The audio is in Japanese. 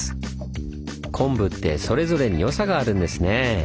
昆布ってそれぞれに良さがあるんですねぇ。